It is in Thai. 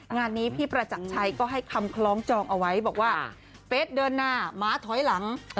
งานนี้พี่ประจักรชัยก็ให้คำคล้องจองเอาไว้บอกว่าเฟสเดินหน้าม้าถอยหลัง